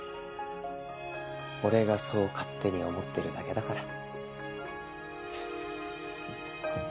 俺がそう勝手に思ってるだけだから。